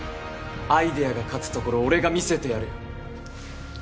アイデアが勝つところを俺が見せてやるよ